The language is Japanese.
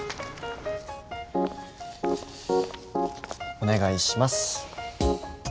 お願いします。